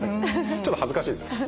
ちょっと恥ずかしいです。